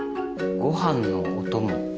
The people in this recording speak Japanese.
ご飯のお供？